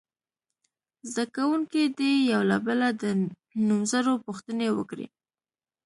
زده کوونکي دې یو له بله د نومځرو پوښتنې وکړي.